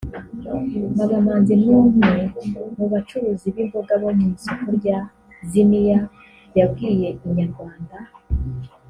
Mama Manzi n’umwe mu bacuruzi b’imboga bo mu isoko rya Ziniya yabwiye inyarwanda